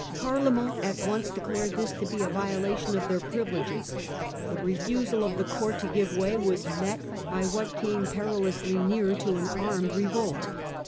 Parle* 22 Prelude to the Fronde, 1645. ment at once declared this to be a violation of their privileges. The refusal of the court to give way was met by what came perilously near to an armed revolt.